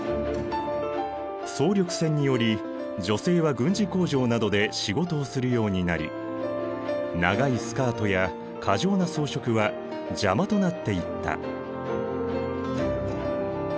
総力戦により女性は軍事工場などで仕事をするようになり長いスカートや過剰な装飾は邪魔となっていった。